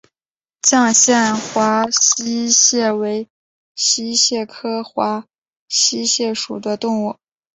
绛县华溪蟹为溪蟹科华溪蟹属的动物。